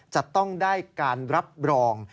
จะต้องได้การรับรอง